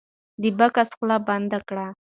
د بکس خوله بنده کړه.